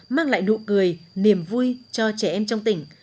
mang lại nụ cười niềm vui cho trẻ em trong tỉnh